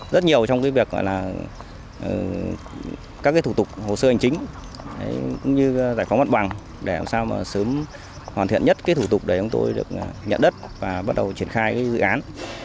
rất nhiều trong việc các thủ tục hồ sơ hành chính cũng như giải phóng văn bằng để làm sao sớm hoàn thiện nhất thủ tục để chúng tôi được nhận đất và bắt đầu triển khai dự án